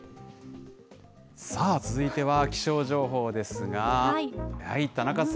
さあ、続いては気象情報ですが。